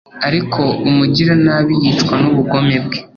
ariko umugiranabi yicwa n’ubugome bwe